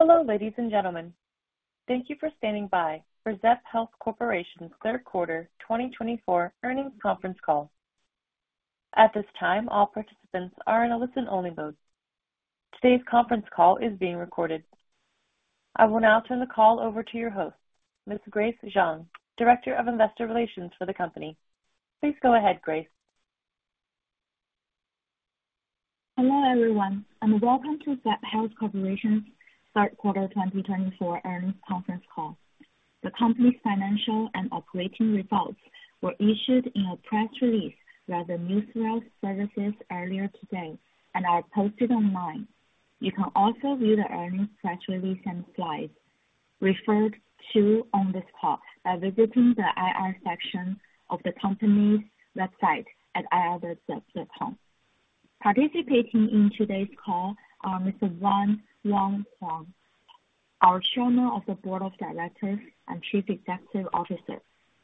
Hello, ladies and gentlemen. Thank you for standing by for Zepp Health Corporation's third quarter 2024 earnings conference call. At this time, all participants are in a listen-only mode. Today's conference call is being recorded. I will now turn the call over to your host, Ms. Grace Zhang, Director of Investor Relations for the company. Please go ahead, Grace. Hello, everyone, and welcome to Zepp Health Corporation's third quarter 2024 earnings conference call. The company's financial and operating results were issued in a press release via the Newswire services earlier today and are posted online. You can also view the earnings press release and slides referred to on this call by visiting the IR section of the company's website at ir.zepp.com. Participating in today's call are Mr. Wang Huang, our Chairman of the Board of Directors and Chief Executive Officer,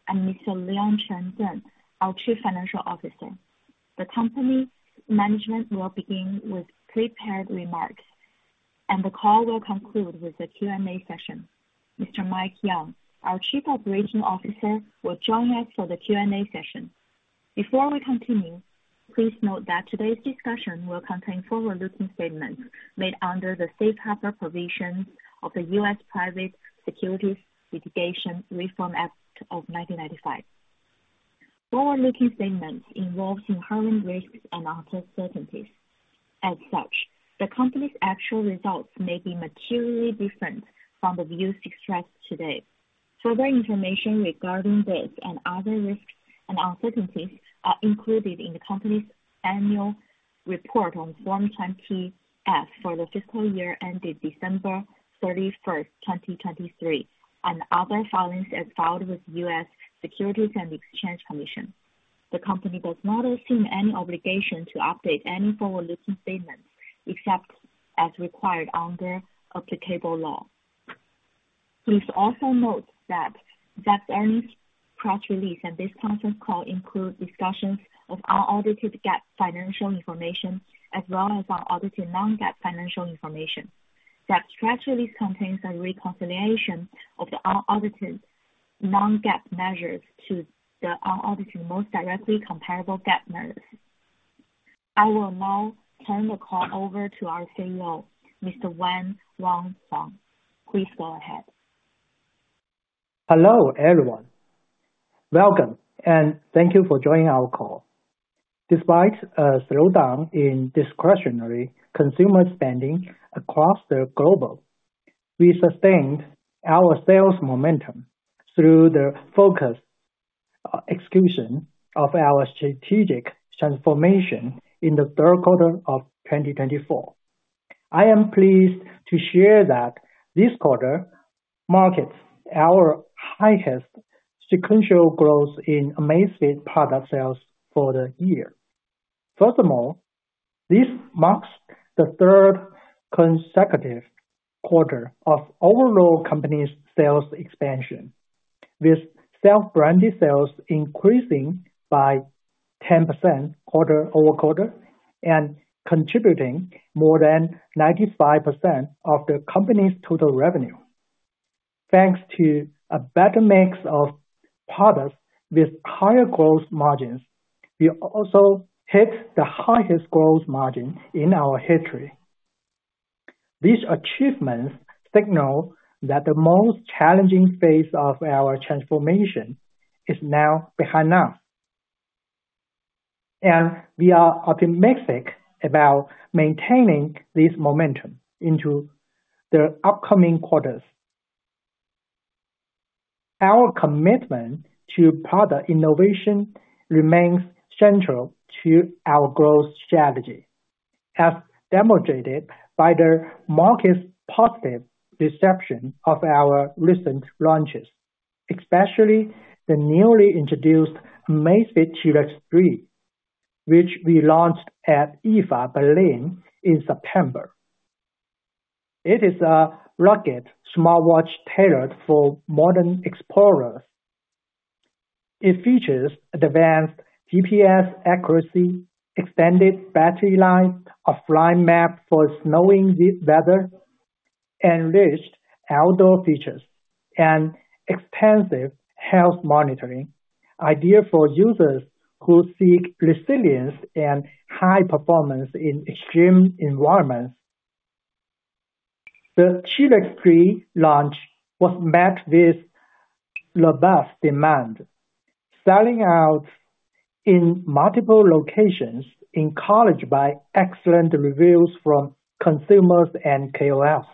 and Mr. Leon Cheng Deng, our Chief Financial Officer. The company management will begin with prepared remarks, and the call will conclude with a Q&A session. Mr. Mike Yeung, our Chief Operations Officer, will join us for the Q&A session. Before we continue, please note that today's discussion will contain forward-looking statements made under the Safe Harbor provisions of the U.S. Private Securities Litigation Reform Act of 1995. Forward-looking statements involve inherent risks and uncertainties. As such, the company's actual results may be materially different from the views expressed today. Further information regarding this and other risks and uncertainties are included in the company's annual report on Form 20-F for the fiscal year ended December 31st, 2023, and other filings as filed with the U.S. Securities and Exchange Commission. The company does not assume any obligation to update any forward-looking statements except as required under applicable law. Please also note that Zepp's earnings press release and this conference call include discussions of unaudited GAAP financial information as well as unaudited non-GAAP financial information. Zepp's press release contains a reconciliation of the unaudited non-GAAP measures to the unaudited most directly comparable GAAP measures. I will now turn the call over to our CEO, Mr. Wang Huang. Please go ahead. Hello, everyone. Welcome, and thank you for joining our call. Despite a slowdown in discretionary consumer spending across the globe, we sustained our sales momentum through the focused execution of our strategic transformation in the third quarter of 2024. I am pleased to share that this quarter marks our highest sequential growth in mainstream product sales for the year. First of all, this marks the third consecutive quarter of overall company's sales expansion, with self-branded sales increasing by 10% quarter-over-quarter and contributing more than 95% of the company's total revenue. Thanks to a better mix of products with higher gross margins, we also hit the highest gross margin in our history. These achievements signal that the most challenging phase of our transformation is now behind us, and we are optimistic about maintaining this momentum into the upcoming quarters. Our commitment to product innovation remains central to our growth strategy, as demonstrated by the market's positive reception of our recent launches, especially the newly introduced Amazfit T-Rex 3, which we launched at IFA Berlin in September. It is a rugged smartwatch tailored for modern explorers. It features advanced GPS accuracy, extended battery life, offline map for snowy weather, enriched outdoor features, and extensive health monitoring, ideal for users who seek resilience and high performance in extreme environments. The T-Rex 3 launch was met with robust demand, selling out in multiple locations in China, bolstered by excellent reviews from consumers and KOLs.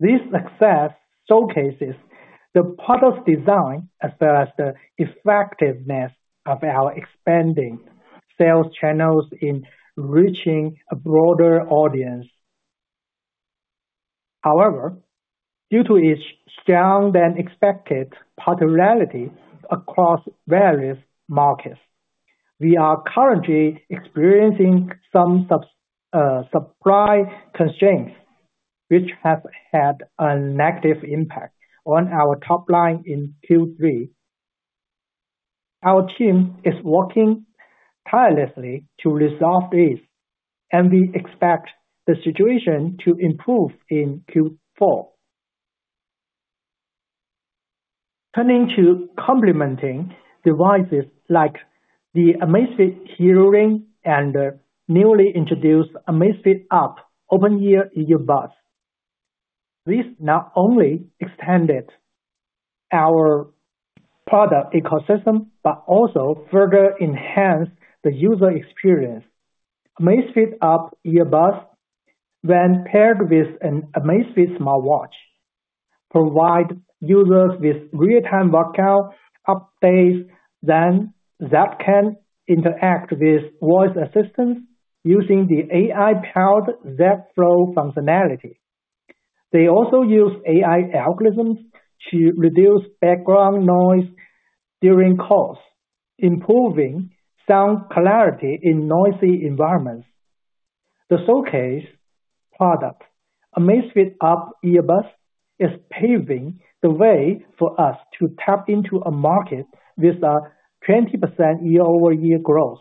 This success showcases the product's design as well as the effectiveness of our expanding sales channels in reaching a broader audience. However, due to its stronger-than-expected popularity across various markets, we are currently experiencing some supply constraints, which have had a negative impact on our top line in Q3. Our team is working tirelessly to resolve this, and we expect the situation to improve in Q4. Turning to complementing devices like the Amazfit Helio Ring and the newly introduced Amazfit Up open-ear earbuds, these not only extended our product ecosystem but also further enhanced the user experience. Amazfit Up earbuds, when paired with an Amazfit smartwatch, provide users with real-time workout updates, then Zepp can interact with voice assistants using the AI-powered Zepp Flow functionality. They also use AI algorithms to reduce background noise during calls, improving sound clarity in noisy environments. The showcase product, Amazfit Up earbuds, is paving the way for us to tap into a market with a 20% year-over-year growth,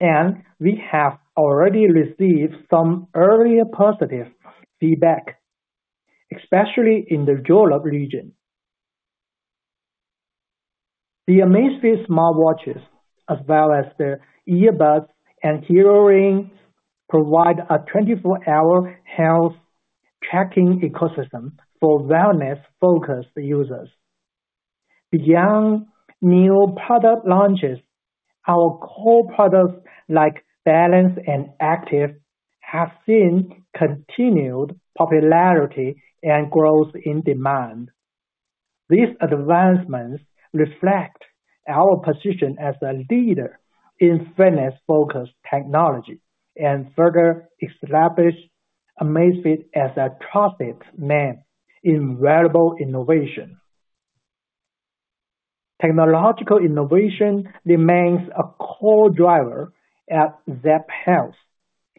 and we have already received some earlier positive feedback, especially in the European region. The Amazfit smartwatches, as well as the earbuds and Helio Ring, provide a 24-hour health tracking ecosystem for wellness-focused users. Beyond new product launches, our core products like Balance and Active have seen continued popularity and growth in demand. These advancements reflect our position as a leader in fitness-focused technology and further establish Amazfit as a trusted name in wearable innovation. Technological innovation remains a core driver at Zepp Health,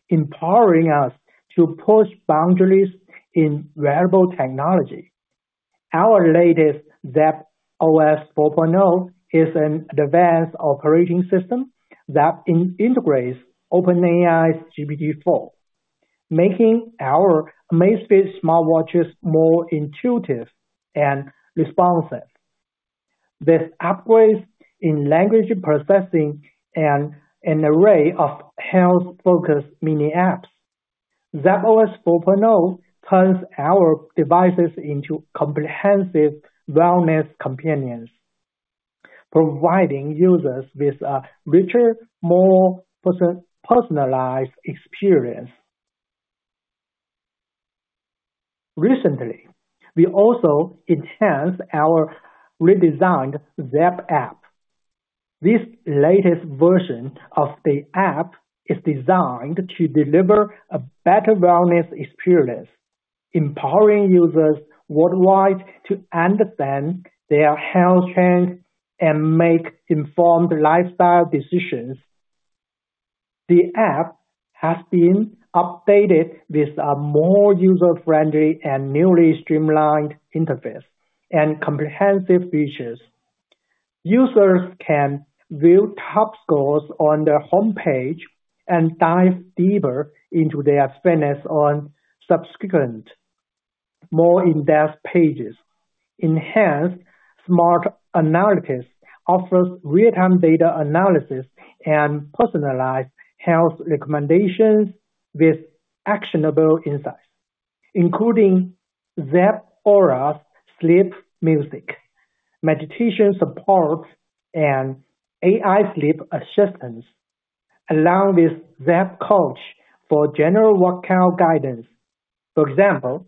empowering us to push boundaries in wearable technology. Our latest Zepp OS 4.0 is an advanced operating system that integrates OpenAI's GPT-4, making our Amazfit smartwatches more intuitive and responsive. With upgrades in language processing and an array of health-focused mini apps, Zepp OS 4.0 turns our devices into comprehensive wellness companions, providing users with a richer, more personalized experience. Recently, we also enhanced our redesigned Zepp App. This latest version of the app is designed to deliver a better wellness experience, empowering users worldwide to understand their health trends and make informed lifestyle decisions. The app has been updated with a more user-friendly and newly streamlined interface and comprehensive features. Users can view top scores on the homepage and dive deeper into their fitness on subsequent more in-depth pages. Enhanced smart analytics offers real-time data analysis and personalized health recommendations with actionable insights, including Zepp Aura's sleep music, meditation support, and AI sleep assistance, along with Zepp Coach for general workout guidance. For example,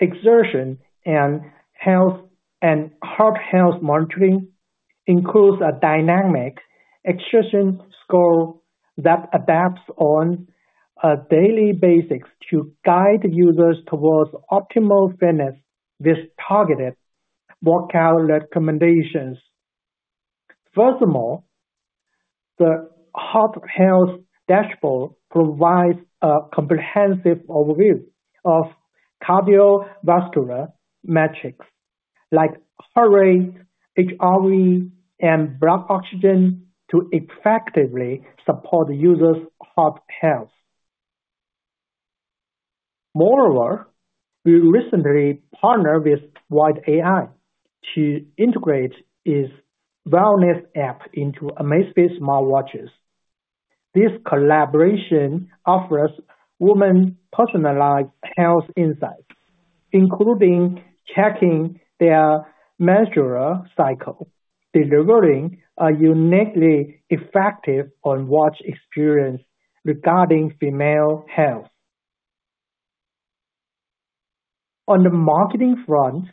exertion and heart health monitoring includes a dynamic exertion score that adapts on a daily basis to guide users towards optimal fitness with targeted workout recommendations. First of all, the heart health dashboard provides a comprehensive overview of cardiovascular metrics like heart rate, HRV, and blood oxygen to effectively support users' heart health. Moreover, we recently partnered with Wild.AI to integrate its wellness app into Amazfit smartwatches. This collaboration offers women's personalized health insights, including checking their menstrual cycle, delivering a uniquely effective on-watch experience regarding female health. On the marketing front,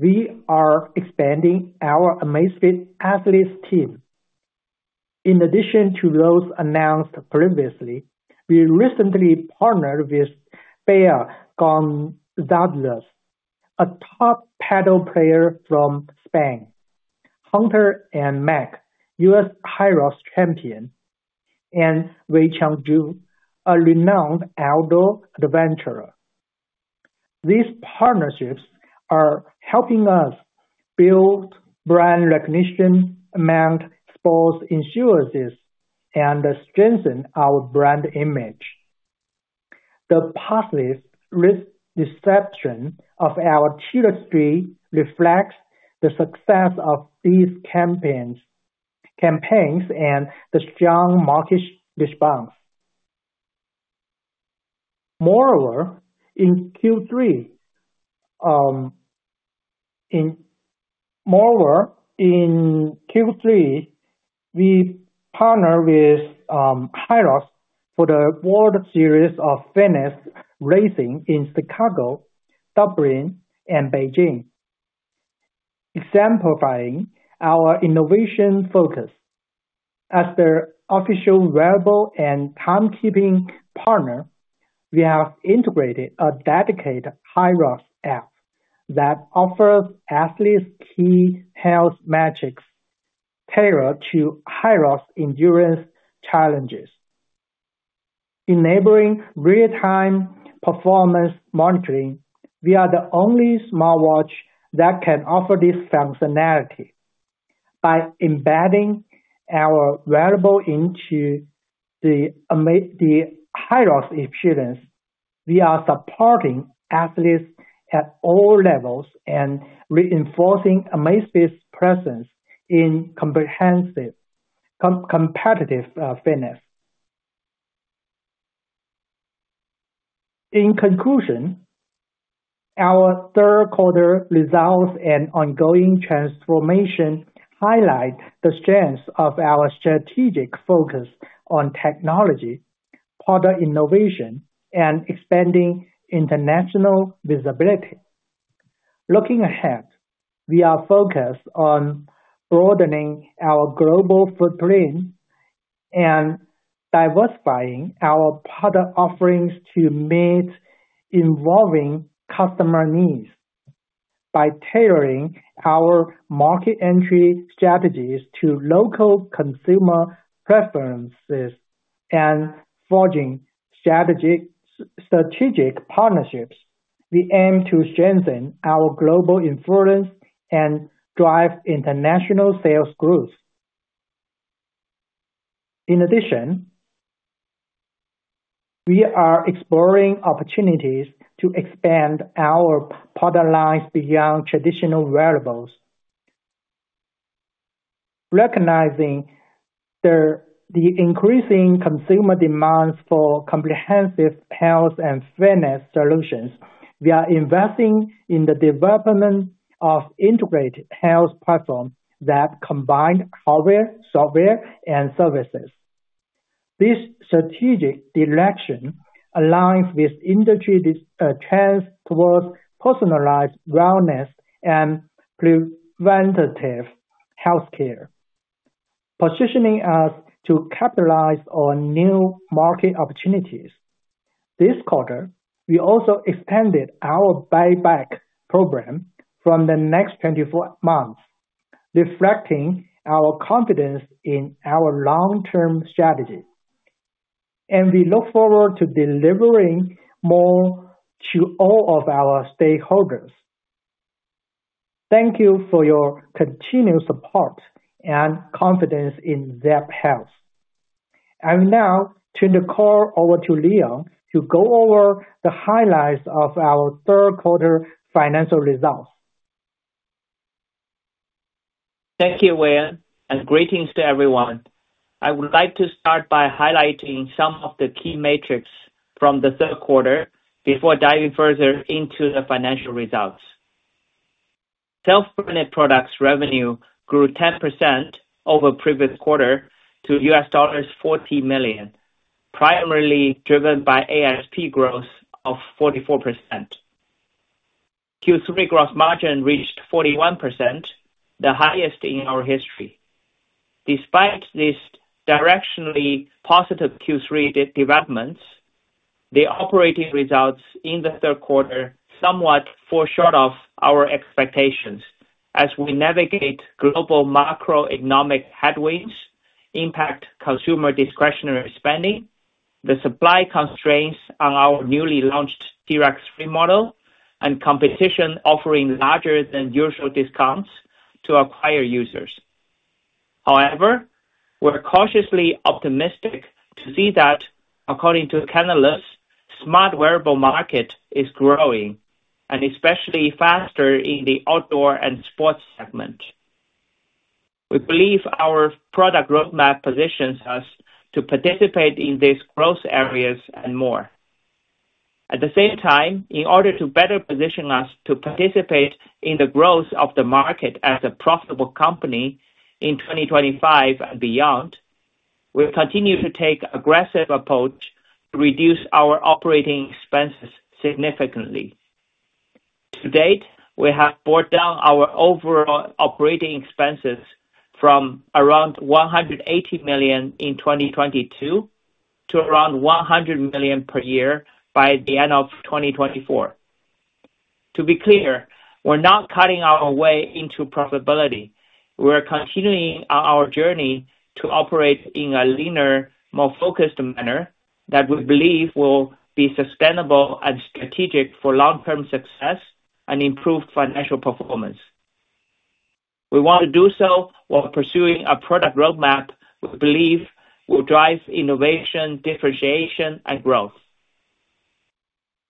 we are expanding our Amazfit athletes team. In addition to those announced previously, we recently partnered with Bea González, a top padel player from Spain, Hunter McIntyre, U.S. HYROX champion, and Wei Cheng Zhou, a renowned outdoor adventurer. These partnerships are helping us build brand recognition among sports enthusiasts and strengthen our brand image. The positive reception of our T-Rex 3 reflects the success of these campaigns and the strong market response. Moreover, in Q3, we partnered with HYROX for the World Series of Fitness Racing in Chicago, Dublin, and Beijing, exemplifying our innovation focus. As their official wearable and timekeeping partner, we have integrated a dedicated HYROX app that offers athletes' key health metrics tailored to HYROX's endurance challenges. Enabling real-time performance monitoring, we are the only smartwatch that can offer this functionality. By embedding our wearable into the HYROX experience, we are supporting athletes at all levels and reinforcing Amazfit's presence in competitive fitness. In conclusion, our third-quarter results and ongoing transformation highlight the strengths of our strategic focus on technology, product innovation, and expanding international visibility. Looking ahead, we are focused on broadening our global footprint and diversifying our product offerings to meet evolving customer needs. By tailoring our market entry strategies to local consumer preferences and forging strategic partnerships, we aim to strengthen our global influence and drive international sales growth. In addition, we are exploring opportunities to expand our product lines beyond traditional wearables. Recognizing the increasing consumer demands for comprehensive health and fitness solutions, we are investing in the development of integrated health platforms that combine hardware, software, and services. This strategic direction aligns with industry trends toward personalized wellness and preventive healthcare, positioning us to capitalize on new market opportunities. This quarter, we also expanded our buy-back program from the next 24 months, reflecting our confidence in our long-term strategy, and we look forward to delivering more to all of our stakeholders. Thank you for your continued support and confidence in Zepp Health. I will now turn the call over to Leon to go over the highlights of our third-quarter financial results. Thank you, Wang, and greetings to everyone. I would like to start by highlighting some of the key metrics from the third quarter before diving further into the financial results. Self-branded products revenue grew 10% over the previous quarter to $40 million, primarily driven by ASP growth of 44%. Q3 gross margin reached 41%, the highest in our history. Despite these directionally positive Q3 developments, the operating results in the third quarter were somewhat short of our expectations as we navigate global macroeconomic headwinds, impact consumer discretionary spending, the supply constraints on our newly launched T-Rex 3 model, and competition offering larger-than-usual discounts to acquire users. However, we're cautiously optimistic to see that, according to analysts, the smart wearable market is growing, and especially faster in the outdoor and sports segment. We believe our product roadmap positions us to participate in these growth areas and more. At the same time, in order to better position us to participate in the growth of the market as a profitable company in 2025 and beyond, we continue to take an aggressive approach to reduce our operating expenses significantly. To date, we have brought down our overall operating expenses from around $180 million in 2022 to around $100 million per year by the end of 2024. To be clear, we're not cutting our way into profitability. We're continuing on our journey to operate in a leaner, more focused manner that we believe will be sustainable and strategic for long-term success and improved financial performance. We want to do so while pursuing a product roadmap we believe will drive innovation, differentiation, and growth,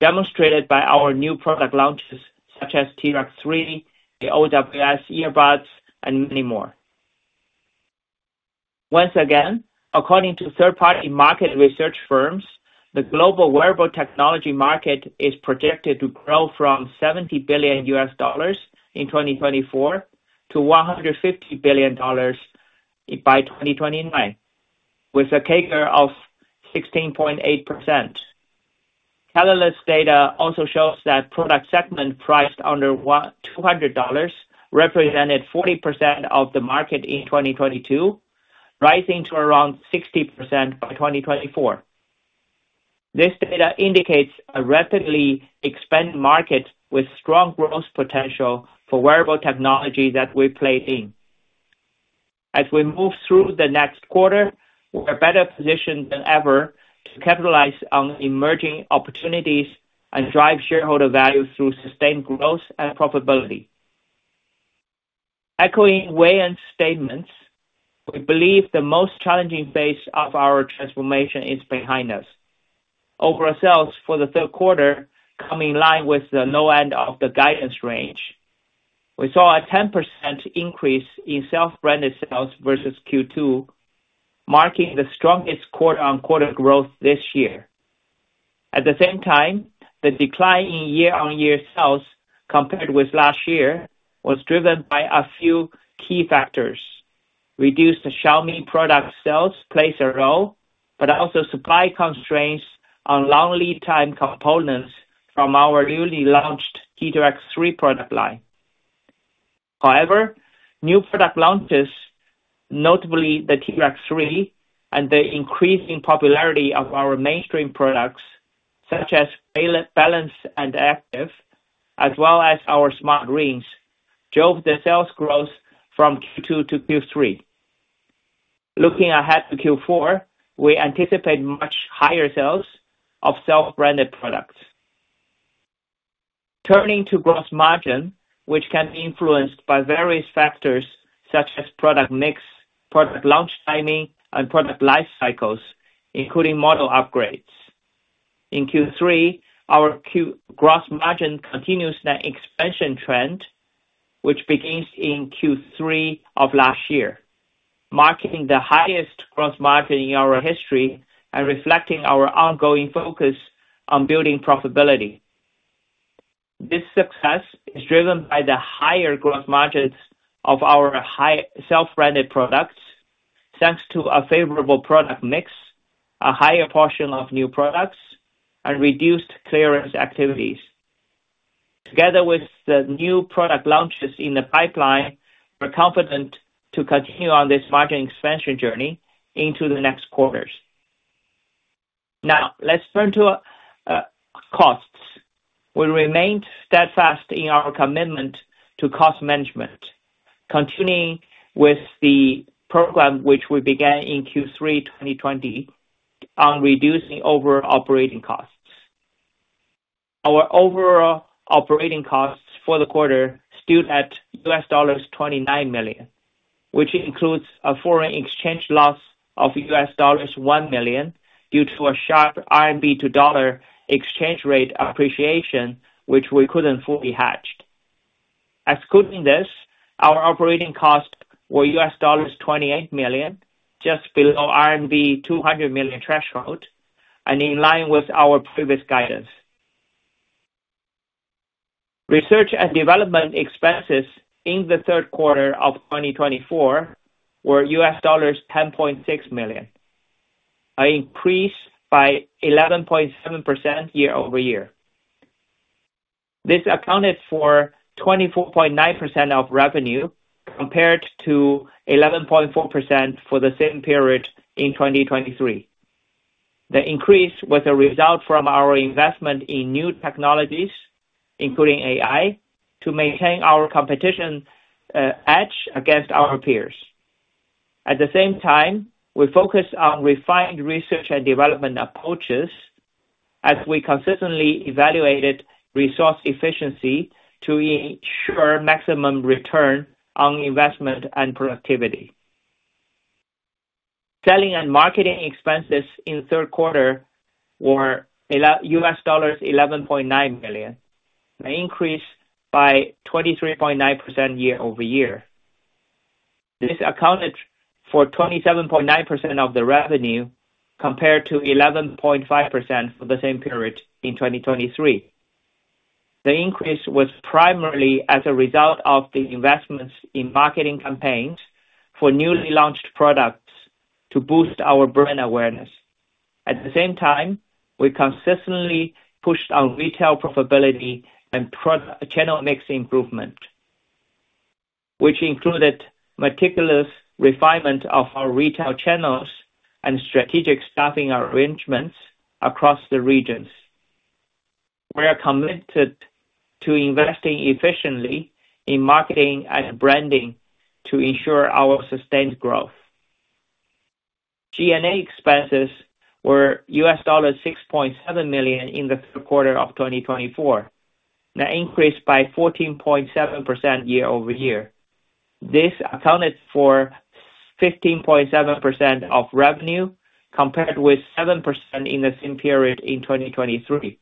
demonstrated by our new product launches such as T-Rex 3, the OWS earbuds, and many more. Once again, according to third-party market research firms, the global wearable technology market is projected to grow from $70 billion in 2024-$150 billion by 2029, with a CAGR of 16.8%. Canalys data also shows that product segment priced under $200 represented 40% of the market in 2022, rising to around 60% by 2024. This data indicates a rapidly expanding market with strong growth potential for wearable technology that we play in. As we move through the next quarter, we're better positioned than ever to capitalize on emerging opportunities and drive shareholder value through sustained growth and profitability. Echoing Wang's statements, we believe the most challenging phase of our transformation is behind us. Overall sales for the third quarter come in line with the low end of the guidance range. We saw a 10% increase in self-branded sales versus Q2, marking the strongest quarter-on-quarter growth this year. At the same time, the decline in year-on-year sales compared with last year was driven by a few key factors. Reduced Xiaomi product sales plays a role, but also supply constraints on long lead-time components from our newly launched T-Rex 3 product line. However, new product launches, notably the T-Rex 3 and the increasing popularity of our mainstream products such as Balance and Active, as well as our smart rings, drove the sales growth from Q2 to Q3. Looking ahead to Q4, we anticipate much higher sales of self-branded products. Turning to gross margin, which can be influenced by various factors such as product mix, product launch timing, and product life cycles, including model upgrades. In Q3, our gross margin continues that expansion trend, which begins in Q3 of last year, marking the highest gross margin in our history and reflecting our ongoing focus on building profitability. This success is driven by the higher gross margins of our self-branded products, thanks to a favorable product mix, a higher portion of new products, and reduced clearance activities. Together with the new product launches in the pipeline, we're confident to continue on this margin expansion journey into the next quarters. Now, let's turn to costs. We remained steadfast in our commitment to cost management, continuing with the program which we began in Q3 2020 on reducing overall operating costs. Our overall operating costs for the quarter stood at $29 million, which includes a foreign exchange loss of $1 million due to a sharp RMB to dollar exchange rate appreciation, which we couldn't fully hedge. Excluding this, our operating costs were $28 million, just below RMB 200 million threshold, and in line with our previous guidance. Research and development expenses in the third quarter of 2024 were $10.6 million, an increase by 11.7% year-over-year. This accounted for 24.9% of revenue compared to 11.4% for the same period in 2023. The increase was a result from our investment in new technologies, including AI, to maintain our competition edge against our peers. At the same time, we focused on refined research and development approaches as we consistently evaluated resource efficiency to ensure maximum return on investment and productivity. Selling and marketing expenses in the third quarter were $11.9 million, an increase by 23.9% year-over-year. This accounted for 27.9% of the revenue compared to 11.5% for the same period in 2023. The increase was primarily as a result of the investments in marketing campaigns for newly launched products to boost our brand awareness. At the same time, we consistently pushed on retail profitability and channel mix improvement, which included meticulous refinement of our retail channels and strategic staffing arrangements across the regions. We are committed to investing efficiently in marketing and branding to ensure our sustained growth. G&A expenses were $6.7 million in the third quarter of 2024, an increase by 14.7% year-over-year. This accounted for 15.7% of revenue compared with 7% in the same period in 2023.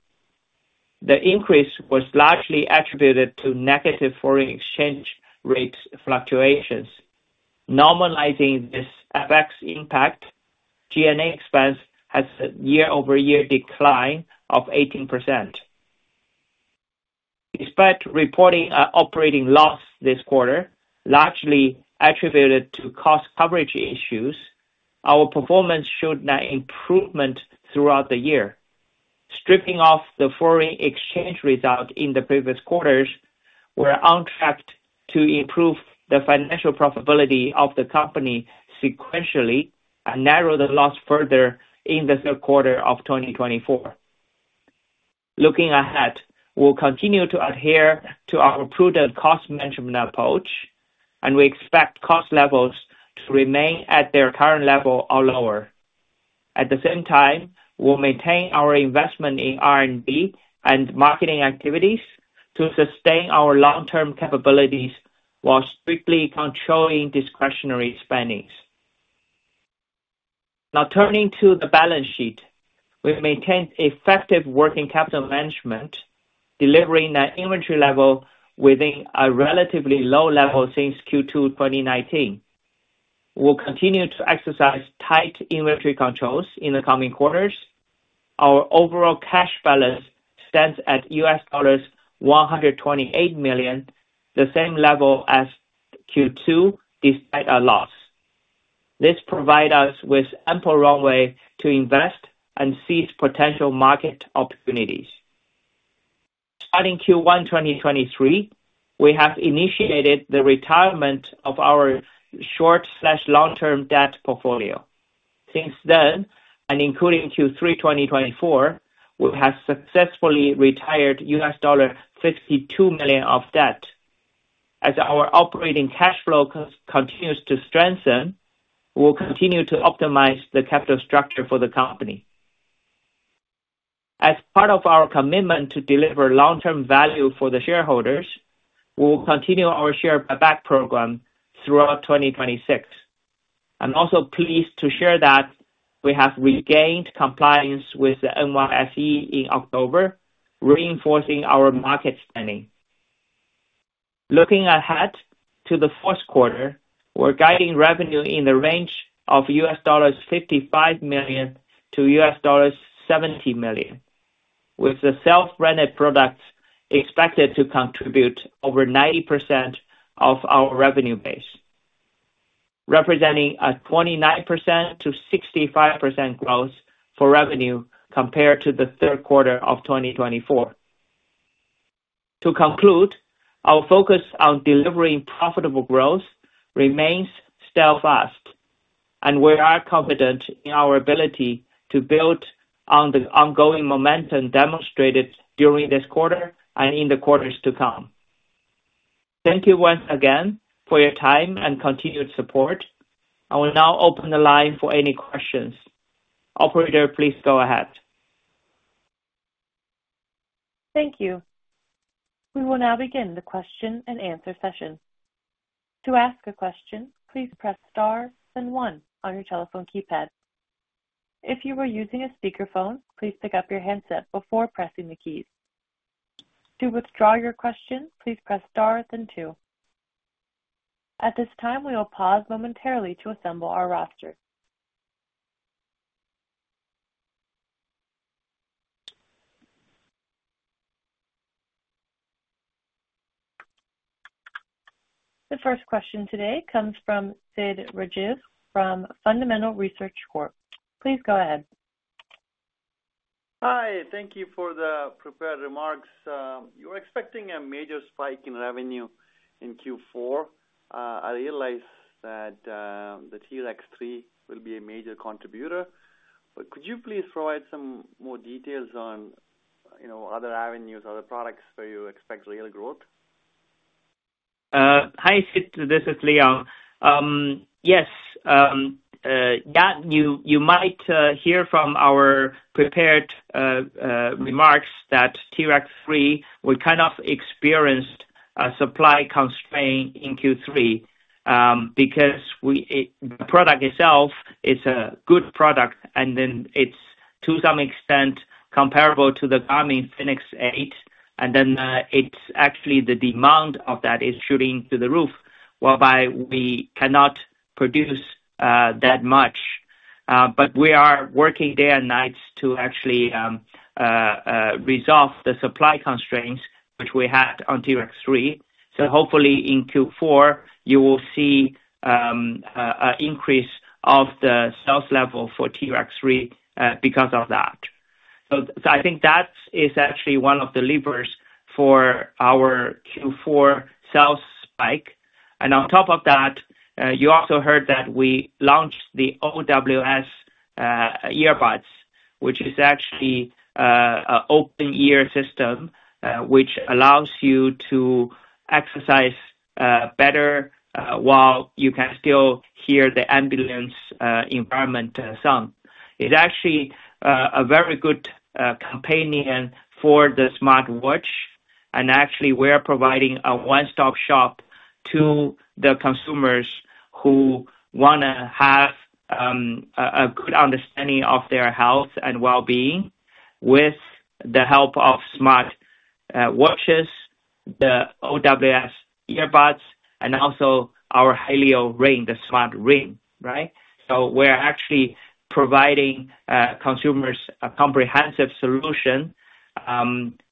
The increase was largely attributed to negative foreign exchange rate fluctuations. Normalizing this effect's impact, G&A expense has a year-over-year decline of 18%. Despite reporting an operating loss this quarter, largely attributed to cost coverage issues, our performance showed an improvement throughout the year. Stripping off the foreign exchange result in the previous quarters, we're on track to improve the financial profitability of the company sequentially and narrow the loss further in the third quarter of 2024. Looking ahead, we'll continue to adhere to our prudent cost management approach, and we expect cost levels to remain at their current level or lower. At the same time, we'll maintain our investment in R&D and marketing activities to sustain our long-term capabilities while strictly controlling discretionary spending. Now, turning to the balance sheet, we maintained effective working capital management, delivering an inventory level within a relatively low level since Q2 2019. We'll continue to exercise tight inventory controls in the coming quarters. Our overall cash balance stands at $128 million, the same level as Q2 despite a loss. This provides us with ample runway to invest and seize potential market opportunities. Starting Q1 2023, we have initiated the retirement of our short/long-term debt portfolio. Since then, and including Q3 2024, we have successfully retired $52 million of debt. As our operating cash flow continues to strengthen, we'll continue to optimize the capital structure for the company. As part of our commitment to deliver long-term value for the shareholders, we'll continue our share buyback program throughout 2026. I'm also pleased to share that we have regained compliance with the NYSE in October, reinforcing our market spending. Looking ahead to the fourth quarter, we're guiding revenue in the range of $55 million-$70 million, with the self-branded products expected to contribute over 90% of our revenue base, representing a 29%-65% growth for revenue compared to the third quarter of 2024. To conclude, our focus on delivering profitable growth remains steadfast, and we are confident in our ability to build on the ongoing momentum demonstrated during this quarter and in the quarters to come. Thank you once again for your time and continued support. I will now open the line for any questions. Operator, please go ahead. Thank you. We will now begin the question and answer session. To ask a question, please press star then one on your telephone keypad. If you are using a speakerphone, please pick up your handset before pressing the keys. To withdraw your question, please press star then two. At this time, we will pause momentarily to assemble our roster. The first question today comes from Sid Rajeev from Fundamental Research Corp. Please go ahead. Hi. Thank you for the prepared remarks. You were expecting a major spike in revenue in Q4. I realize that the T-Rex 3 will be a major contributor, but could you please provide some more details on other avenues, other products where you expect real growth? Hi, this is Leon. Yes. Yeah, you might hear from our prepared remarks that T-Rex 3, we kind of experienced a supply constraint in Q3 because the product itself is a good product, and then it's to some extent comparable to the Garmin Fenix 8, and then it's actually the demand of that is shooting to the roof, whereby we cannot produce that much. But we are working day and night to actually resolve the supply constraints which we had on T-Rex 3. So hopefully in Q4, you will see an increase of the sales level for T-Rex 3 because of that. So I think that is actually one of the levers for our Q4 sales spike. On top of that, you also heard that we launched the OWS earbuds, which is actually an open-ear system which allows you to exercise better while you can still hear the ambient environment sound. It's actually a very good companion for the smartwatch, and actually we are providing a one-stop shop to the consumers who want to have a good understanding of their health and well-being with the help of smartwatches, the OWS earbuds, and also our Helio Ring, the smart ring, right? So we're actually providing consumers a comprehensive solution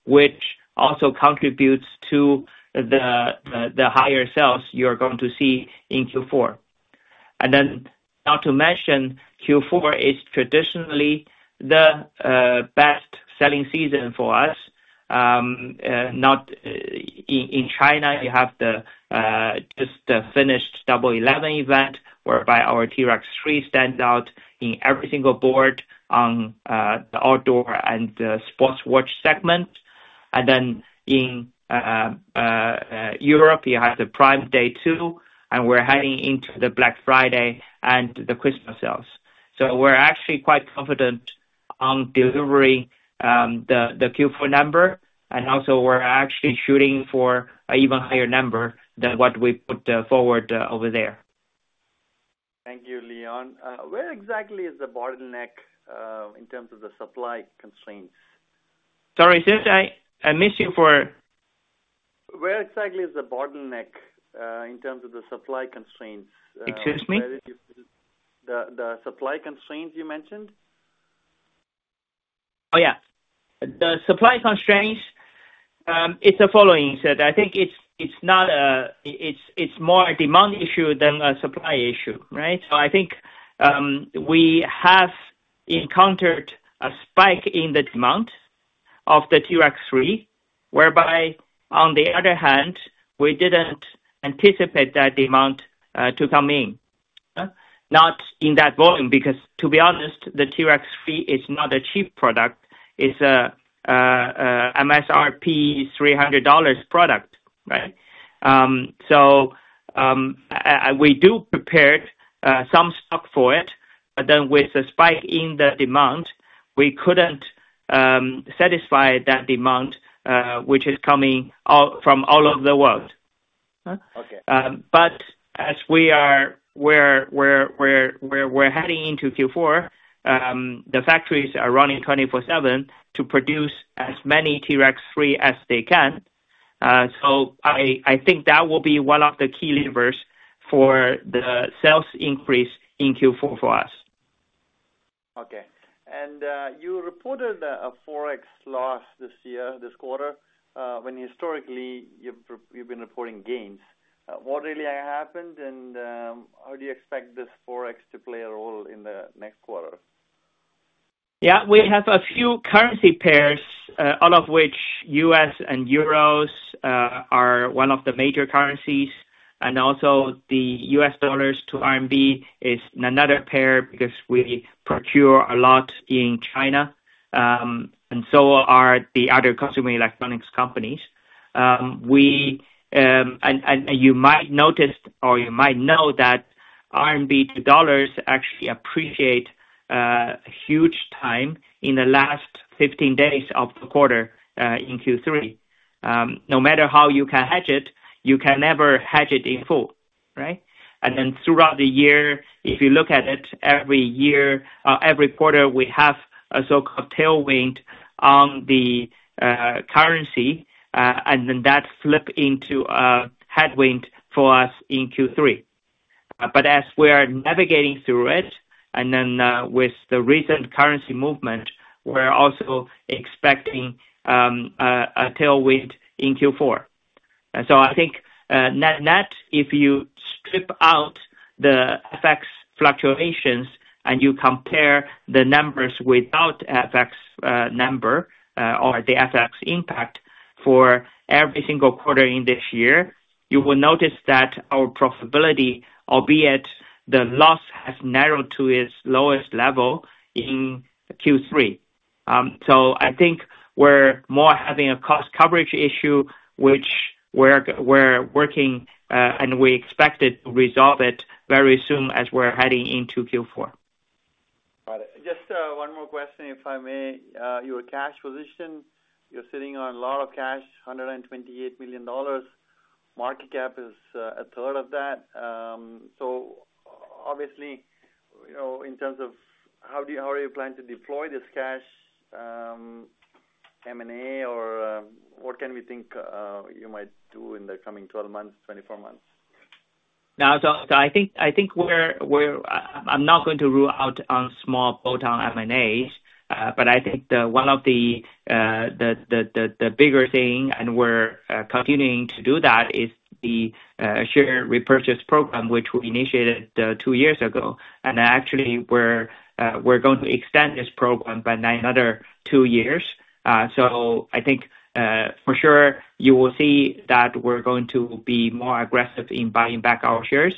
which also contributes to the higher sales you're going to see in Q4. And then not to mention, Q4 is traditionally the best selling season for us. In China, we just finished the Double 11 event whereby our T-Rex 3 stands out in every single leaderboard on the outdoor and sports watch segment. And then in Europe, you have the Prime Day 2, and we're heading into the Black Friday and the Christmas sales. So we're actually quite confident on delivering the Q4 number, and also we're actually shooting for an even higher number than what we put forward over there. Thank you, Leon. Where exactly is the bottleneck in terms of the supply constraints? Sorry, Sid, I missed you there. Where exactly is the bottleneck in terms of the supply constraints? Excuse me? The supply constraints you mentioned? Oh, yeah. The supply constraints, it's the following, Sid. I think it's more a demand issue than a supply issue, right? So I think we have encountered a spike in the demand of the T-Rex 3, whereby on the other hand, we didn't anticipate that demand to come in, not in that volume because, to be honest, the T-Rex 3 is not a cheap product. It's an MSRP $300 product, right? So we do prepare some stock for it, but then with the spike in the demand, we couldn't satisfy that demand which is coming from all over the world. But as we're heading into Q4, the factories are running 24/7 to produce as many T-Rex 3 as they can. So I think that will be one of the key levers for the sales increase in Q4 for us. Okay. And you reported a Forex loss this year, this quarter, when historically you've been reporting gains. What really happened, and how do you expect this Forex to play a role in the next quarter? Yeah. We have a few currency pairs, all of which U.S. and euros are one of the major currencies, and also the U.S. dollars to RMB is another pair because we procure a lot in China, and so are the other consumer electronics companies, and you might notice, or you might know, that RMB to dollars actually appreciated huge time in the last 15 days of the quarter in Q3. No matter how you can hedge it, you can never hedge it in full, right, and then throughout the year, if you look at it, every quarter we have a so-called tailwind on the currency, and then that flips into a headwind for us in Q3. But as we're navigating through it, and then with the recent currency movement, we're also expecting a tailwind in Q4. And so I think net-net, if you strip out the FX fluctuations and you compare the numbers without the FX number or the FX impact for every single quarter in this year, you will notice that our profitability, albeit the loss, has narrowed to its lowest level in Q3. So I think we're more having a cost coverage issue which we're working, and we expect it to resolve it very soon as we're heading into Q4. Got it. Just one more question, if I may. Your cash position, you're sitting on a lot of cash, $128 million. Market cap is a third of that. So obviously, in terms of how do you plan to deploy this cash, M&A, or what can we think you might do in the coming 12 months, 24 months? No, so I think I'm not going to rule out on small bolt-on M&As, but I think one of the bigger things, and we're continuing to do that, is the share repurchase program which we initiated two years ago. And actually, we're going to extend this program by another two years. So I think for sure you will see that we're going to be more aggressive in buying back our shares.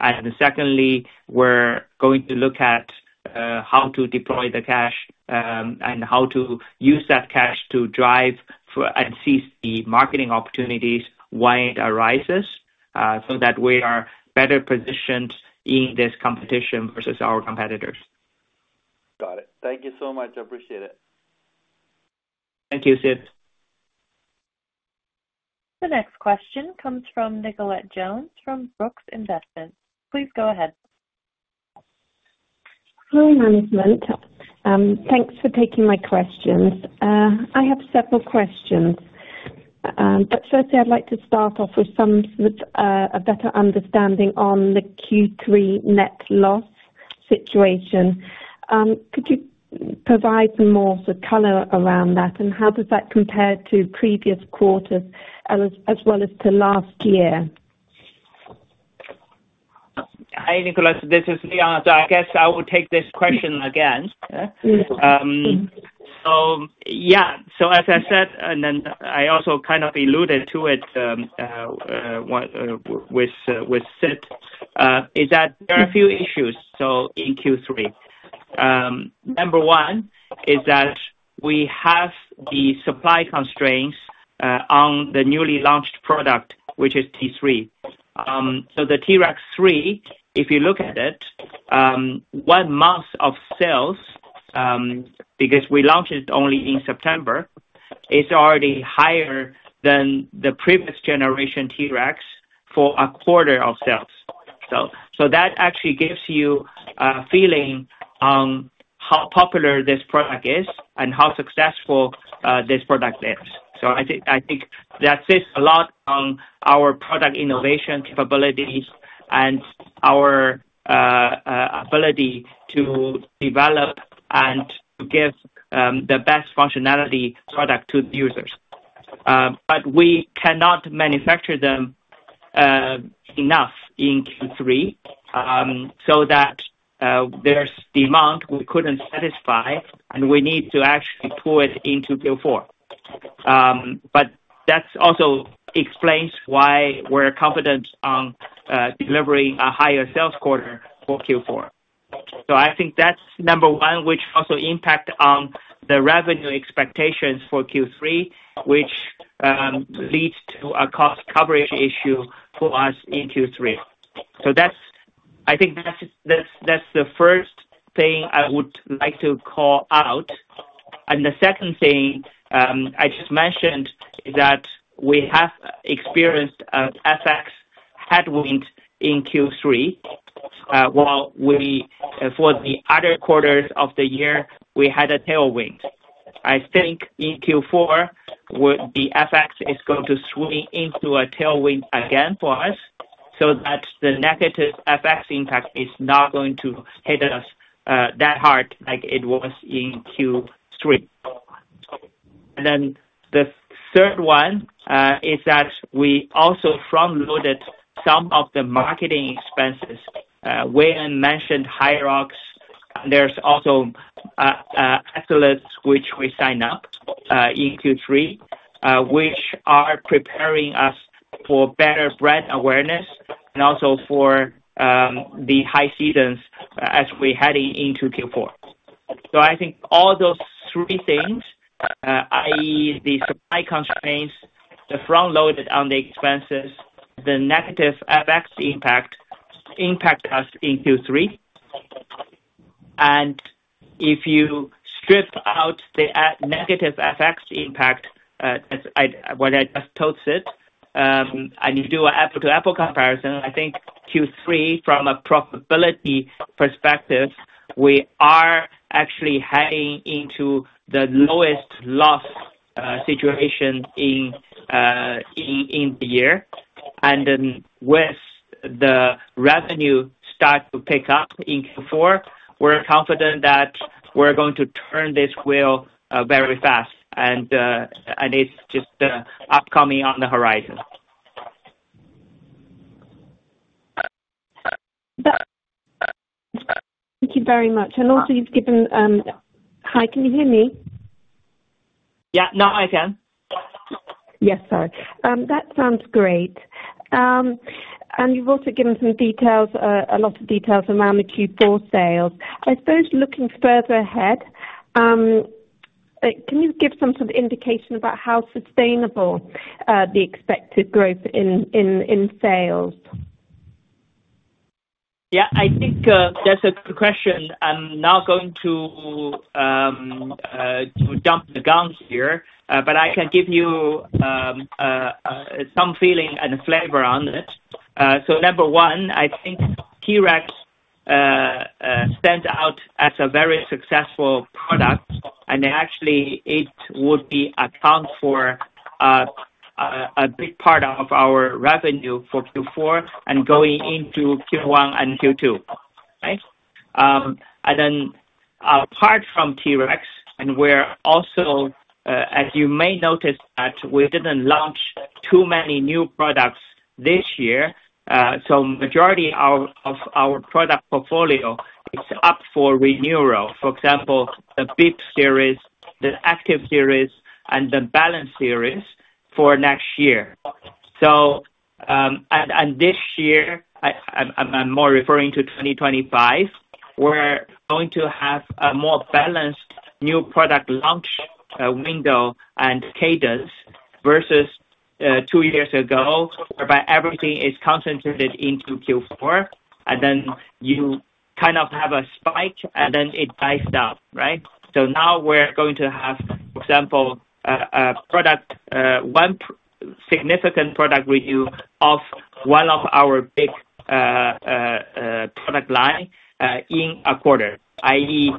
And secondly, we're going to look at how to deploy the cash and how to use that cash to drive and seize the marketing opportunities when it arises so that we are better positioned in this competition versus our competitors. Got it. Thank you so much. I appreciate it. Thank you, Sid. The next question comes from Nicolette Jones from Brooks Investments. Please go ahead. Hi, Management. Thanks for taking my questions. I have several questions. But firstly, I'd like to start off with a better understanding on the Q3 net loss situation. Could you provide more sort of color around that, and how does that compare to previous quarters as well as to last year? Hi, Nicolette. This is Leon. So I guess I will take this question again. So yeah, so as I said, and then I also kind of alluded to it with Sid, is that there are a few issues. So in Q3, number one is that we have the supply constraints on the newly launched product, which is T3. So the T-Rex 3, if you look at it, one month of sales, because we launched it only in September, is already higher than the previous generation T-Rex for a quarter of sales. So that actually gives you a feeling on how popular this product is and how successful this product is. So I think that says a lot on our product innovation capabilities and our ability to develop and give the best functionality product to the users. But we cannot manufacture them enough in Q3 so that there's demand we couldn't satisfy, and we need to actually pull it into Q4. But that also explains why we're confident on delivering a higher sales quarter for Q4. So I think that's number one, which also impacts on the revenue expectations for Q3, which leads to a cost coverage issue for us in Q3. I think that's the first thing I would like to call out. The second thing I just mentioned is that we have experienced an FX headwind in Q3, while for the other quarters of the year, we had a tailwind. I think in Q4, the FX is going to swing into a tailwind again for us so that the negative FX impact is not going to hit us that hard like it was in Q3. The third one is that we also front-loaded some of the marketing expenses. Wang mentioned HYROX. There's also athletes, which we signed up in Q3, which are preparing us for better brand awareness and also for the high seasons as we're heading into Q4. I think all those three things, i.e., the supply constraints, the front-loaded on the expenses, the negative FX impact us in Q3. And if you strip out the negative FX impact, what I just told Sid, and you do an apples-to-apples comparison, I think Q3, from a profitability perspective, we are actually heading into the lowest loss situation in the year. And then with the revenue starting to pick up in Q4, we're confident that we're going to turn this wheel very fast, and it's just upcoming on the horizon. Thank you very much. And also, you've given hi, can you hear me? Yeah. Now I can. Yes, sorry. That sounds great. And you've also given some details, a lot of details around the Q4 sales. I suppose looking further ahead, can you give some sort of indication about how sustainable the expected growth in sales? Yeah. I think that's a good question. I'm not going to jump the gun here, but I can give you some feeling and a flavor on it. So number one, I think T-Rex stands out as a very successful product, and actually, it would account for a big part of our revenue for Q4 and going into Q1 and Q2, right? And then apart from T-Rex, and we're also, as you may notice, that we didn't launch too many new products this year. So the majority of our product portfolio is up for renewal, for example, the Bip series, the Active series, and the Balance series for next year. And this year, I'm more referring to 2025, we're going to have a more balanced new product launch window and cadence versus two years ago whereby everything is concentrated into Q4, and then you kind of have a spike, and then it dies down, right? So now we're going to have, for example, a significant product review of one of our big product lines in a quarter, i.e.,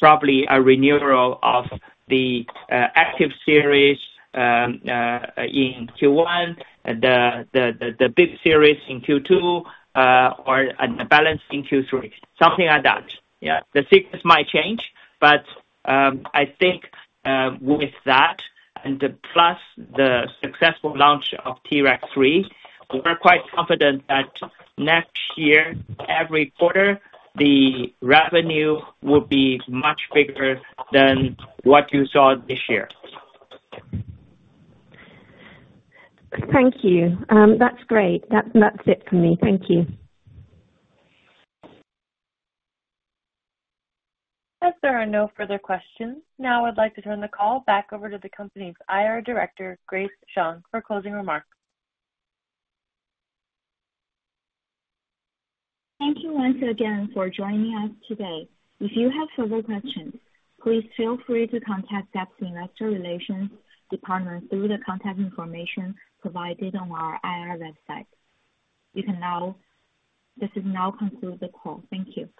probably a renewal of the Active series in Q1, the Bip series in Q2, or the Balance in Q3, something like that. Yeah. The sequence might change, but I think with that, and plus the successful launch of T-Rex 3, we're quite confident that next year, every quarter, the revenue will be much bigger than what you saw this year. Thank you. That's great. That's it for me. Thank you. If there are no further questions, now I'd like to turn the call back over to the company's IR Director, Grace Zhang, for closing remarks. Thank you once again for joining us today. If you have further questions, please feel free to contact Zepp Health Investor Relations Department through the contact information provided on our IR website. This now concludes the call. Thank you.